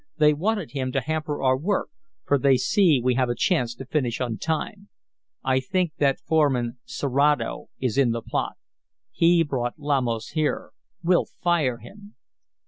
They wanted him to hamper our work, for they see we have a chance to finish on time. I think that foreman, Serato, is in the plot. He brought Lamos here. We'll fire him!"